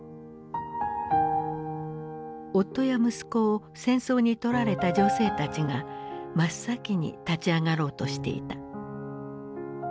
夫や息子を戦争にとられた女性たちが真っ先に立ち上がろうとしていた。